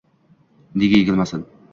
Nega egilmasin